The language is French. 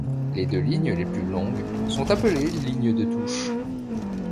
Les deux lignes les plus longues sont appelées lignes de touche.